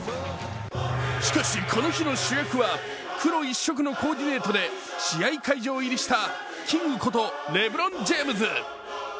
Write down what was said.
しかし、この日の主役は黒一色のコーディネートで試合会場入りしたキングことレブロン・ジェームズ。